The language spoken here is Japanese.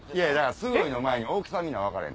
「すごい」の前に大きさ見な分からへん。